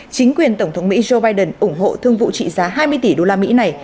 chính quyền tổng thống mỹ joe biden ủng hộ thương vụ trị giá hai mươi tỷ đô la mỹ này